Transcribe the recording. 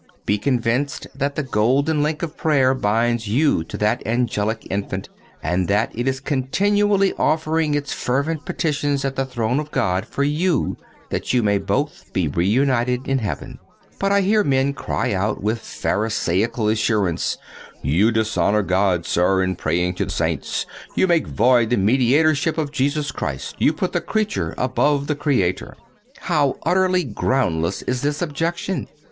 Be convinced that the golden link of prayer binds you to that angelic infant, and that it is continually offering its fervent petitions at the throne of God for you, that you may both be reunited in heaven. But I hear men cry out with Pharisaical assurance, "You dishonor God, sir, in praying to the saints. You make void the mediatorship of Jesus Christ. You put the creature above the Creator." How utterly groundless is this objection!